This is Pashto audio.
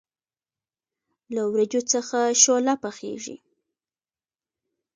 له وریجو څخه شوله پخیږي.